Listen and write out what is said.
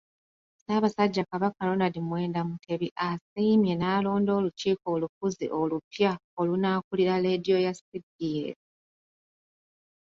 Ssabassajja Kabaka Ronald Muwenda Mutebi asiimye n'alonda olukiiko olufuzi olupya olunaakulira leediyo ya CBS.